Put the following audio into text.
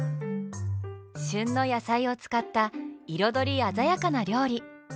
旬の野菜を使った彩り鮮やかな料理。